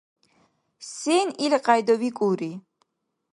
Сен илкьяйда викӀулри?